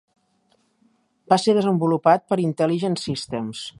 Va ser desenvolupat per Intelligent Systems.